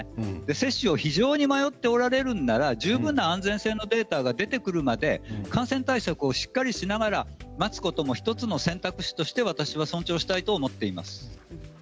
接種を非常に迷っておられるなら十分な安全性のデータが出てくるまで感染対策をしっかりしながら待つことも１つの選択肢として私は尊重したいと思っています。